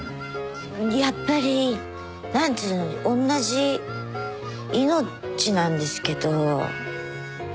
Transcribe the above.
やっぱり何つうの同じ命なんですけど。